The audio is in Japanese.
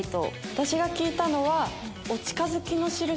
私が聞いたのは。